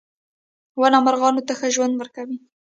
• ونه مرغانو ته ښه ژوند ورکوي.